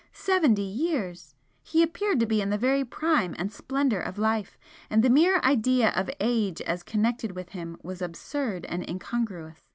Seventy years! He appeared to be in the very prime and splendour of life, and the mere idea of age as connected with him was absurd and incongruous.